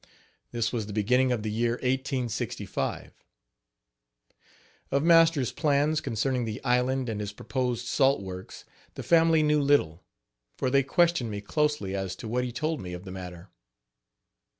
This was the beginning of the year 1865. Of master's plans concerning the island and his proposed salt works the family knew little, for they questioned me closely as to what he told me of the matter.